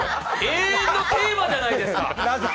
永遠のテーマじゃないですか。